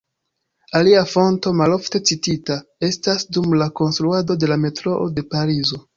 Alia fonto, malofte citita, estas dum la konstruado de la metroo de Parizo.